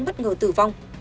bất ngờ tử vong